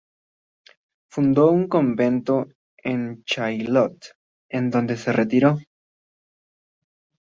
Fundó un convento en Chaillot, en donde se retiró.